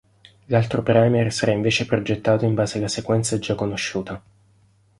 L'altro primer sarà invece progettato in base alla sequenza già conosciuta.